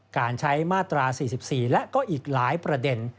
การใช้มาตรา๔๔และก็อีกหลายประเด็น